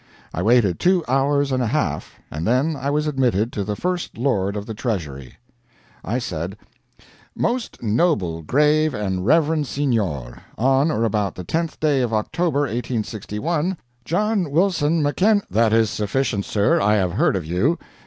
I waited two hours and a half, and then I was admitted to the First Lord of the Treasury. I said, "Most noble, grave, and reverend Signor, on or about the 10th day of October, 1861, John Wilson Macken " "That is sufficient, sir. I have heard of you.